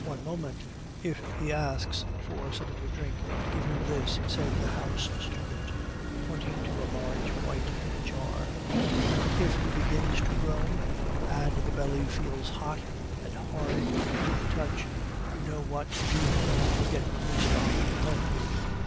"One moment, if he asks for something to drink, give him this," said the house student, pointing to a large white jar. "If he begins to groan, and the belly feels hot and hard to the touch, you know what to do; get Christophe to help you.